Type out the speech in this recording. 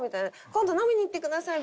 「今度飲みに行ってください。